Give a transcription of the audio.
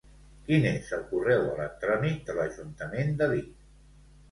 Quin és el correu electrònic de l'Ajuntament de Vic?